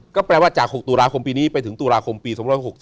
ก็แปลว่าจาก๖ตุลาคมปีนี้ไปถึงตุลาคมปี๒๖๓